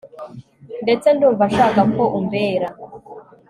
ndetse ndumva nshaka ko umbera